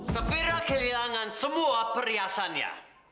sfira kelilangan semua perhiasannya